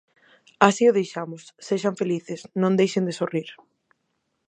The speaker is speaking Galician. Así o deixamos, sexan felices, non deixen de sorrir.